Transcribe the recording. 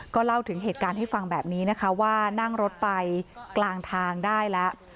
เล่าถึงเหตุการณ์ให้ฟังแบบนี้นะคะว่านั่งรถไปกลางทางได้แล้ว